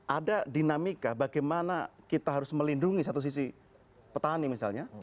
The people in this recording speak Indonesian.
ada dinamika bagaimana kita harus melindungi satu sisi petani misalnya